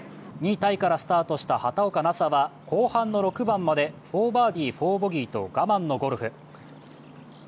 ２位タイからスタートした畑岡奈紗は後半の６番まで４バーディー４ボギーと我慢のゴルフ。